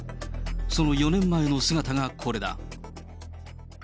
その４年前の姿がこれだ。